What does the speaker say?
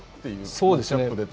そうですね。